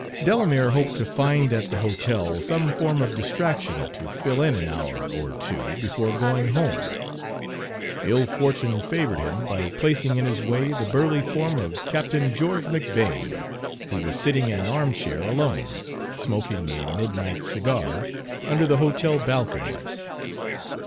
Delamere hoped to find at the hotel some form of distraction to fill in an hour or two before going home. Ill fortune favored him by placing in his way the burly form of Captain George McBane, who was sitting in an armchair alone, smoking a midnight cigar, under the hotel balcony.